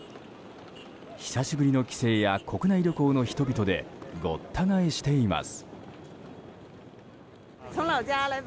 久しぶりの帰省や国内旅行の人々でごった返しています。